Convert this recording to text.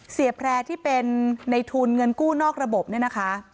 แพร่ที่เป็นในทุนเงินกู้นอกระบบเนี่ยนะคะ